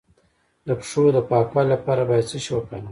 د پښو د پاکوالي لپاره باید څه شی وکاروم؟